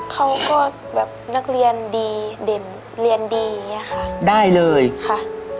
เขาก็แบบนักเรียนดีเด่นเรียนดีอย่างเงี้ยค่ะได้เลยค่ะ